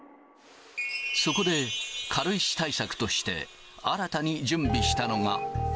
そこで、軽石対策として、新たに準備したのが。